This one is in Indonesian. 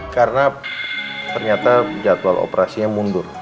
karena ternyata jadwal operasinya mundur